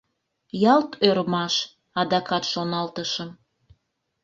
«Ялт ӧрмаш! — адакат шоналтышым.